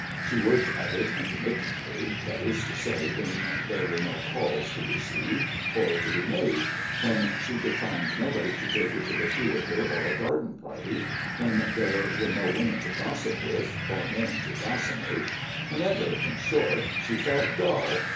She worked at it intermittently, that is to say, when there were no calls to receive or to be made, when she could find nobody to take her to a theatre or a garden party, when there were no women to gossip with, or men to fascinate whenever, in short, she felt dull.